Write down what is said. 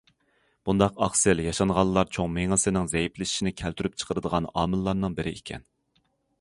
بۇنداق ئاقسىل ياشانغانلار چوڭ مېڭىسىنىڭ زەئىپلىشىشىنى كەلتۈرۈپ چىقىرىدىغان ئامىللارنىڭ بىرى ئىكەن.